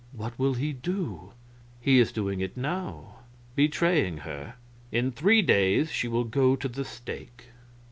"What will he do?" "He is doing it now betraying her. In three days she will go to the stake."